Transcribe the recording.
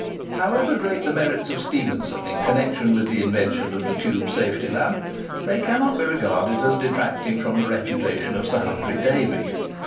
However great the merits of Stephenson in connexion with the invention of the tube safety lamp, they cannot be regarded as detracting from the reputation of Sir Humphry Davy.